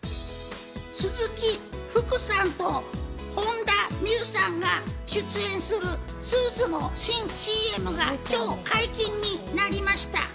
鈴木福さんと本田望結さんが出演するスーツの新ＣＭが今日解禁になりました。